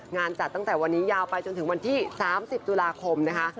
จัดตั้งแต่วันนี้ยาวไปจนถึงวันที่๓๐ตุลาคมนะคะ